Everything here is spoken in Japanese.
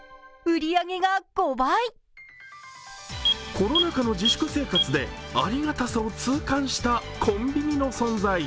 コロナ禍の自粛生活でありがたさを痛感したコンビニの存在。